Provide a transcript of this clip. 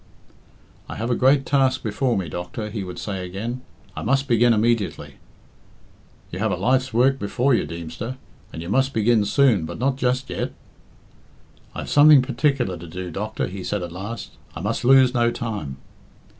"I have a great task before me, doctor," he would say again. "I must begin immediately." "You have a life's work before you, Deemster, and you must begin soon, but not just yet." "I have something particular to do, doctor," he said at last. "I must lose no time."